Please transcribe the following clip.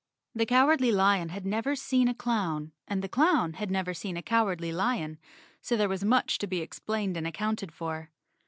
The Cowardly Lion had never seen a clown and the clown had never seen a Cowardly Lion, so there was much to be explained and accounted for.